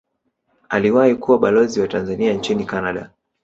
aliwahi kuwa balozi wa tanzania nchini canada